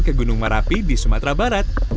ke gunung merapi di sumatera barat